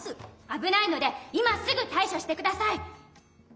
あぶないので今すぐたいしょしてください！